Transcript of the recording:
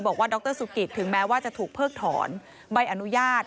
ดรสุกิตถึงแม้ว่าจะถูกเพิกถอนใบอนุญาต